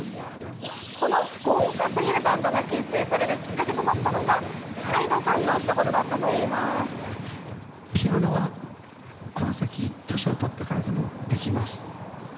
この豪華すぎるバンドが結成されるきっかけとなったのが、ＨＹＤＥさんのひと言だったといピアノはこの先、年を取ってからでもできます。